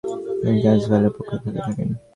তিনি ট্রান্সভালের পক্ষে খেলতে থাকেন।